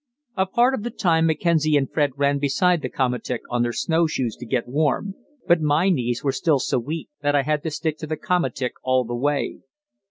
A part of the time Mackenzie and Fred ran beside the komatik on their snowshoes to get warm, but my knees were still so weak that I had to stick to the komatik all the way.